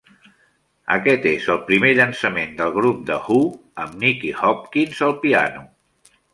Aquest és el primer llançament del grup The Who amb Nicky Hopkins al piano.